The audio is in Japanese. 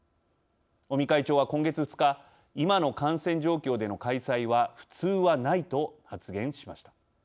尾身会長は、今月２日今の感染状況での開催は普通はないと発言しました。